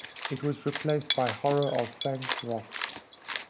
It was replaced by "Horror of Fang Rock".